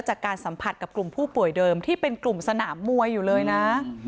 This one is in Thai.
จากการสัมผัสกับกลุ่มผู้ป่วยเดิมที่เป็นกลุ่มสนามมวยอยู่เลยนะ